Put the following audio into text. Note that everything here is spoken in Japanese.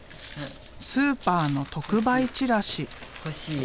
スーパーの特売チラシ。